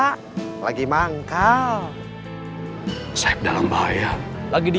tranggess jadi orang ya ini